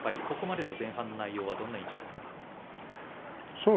ここまでの前半の内容はどんな印象ですか？